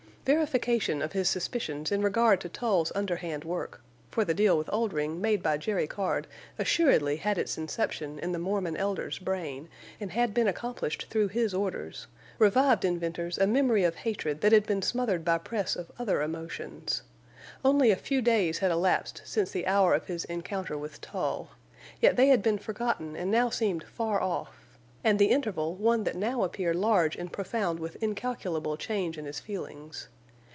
Verification of his suspicions in regard to Tull's underhand work—for the deal with Oldring made by Jerry Card assuredly had its inception in the Mormon Elder's brain, and had been accomplished through his orders—revived in Venters a memory of hatred that had been smothered by press of other emotions. Only a few days had elapsed since the hour of his encounter with Tull, yet they had been forgotten and now seemed far off, and the interval one that now appeared large and profound with incalculable change in his feelings.